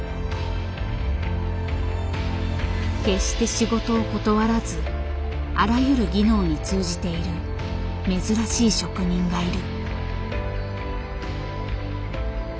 決して仕事を断らずあらゆる技能に通じている珍しい職人がいる。